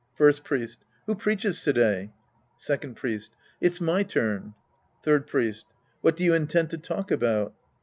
First Priest. Who preaches to day ? Second Priest. It's my turn. Third Priest. What do you intend to talk about